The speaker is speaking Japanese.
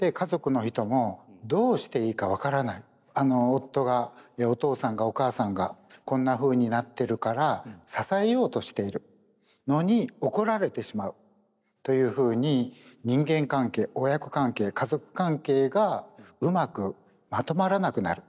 夫がお父さんがお母さんがこんなふうになってるから支えようとしているのに怒られてしまうというふうに人間関係親子関係家族関係がうまくまとまらなくなる。